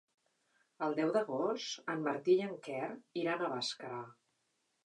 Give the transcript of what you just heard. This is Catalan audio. El deu d'agost en Martí i en Quer iran a Bàscara.